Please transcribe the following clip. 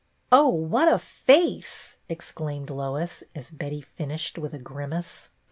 " Oh, what a face !" exclaimed Lois, as Betty finished with a grimace.